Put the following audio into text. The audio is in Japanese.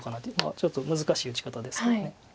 ちょっと難しい打ち方ですよね。